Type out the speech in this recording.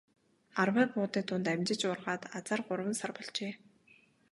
Арвай буудай дунд амжиж ургаад азаар гурван сар болжээ.